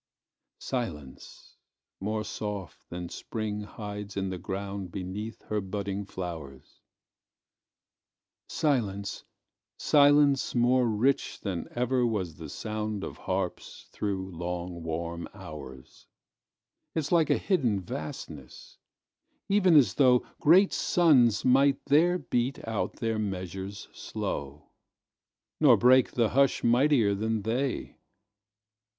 Silence more soft than spring hides in the groundBeneath her budding flowers; Silence more rich than ever was the soundOf harps through long warm hours.It's like a hidden vastness, even as thoughGreat suns might there beat out their measures slow, Nor break the hush mightier than they.